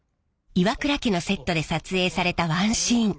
岩倉家のセットで撮影されたワンシーン。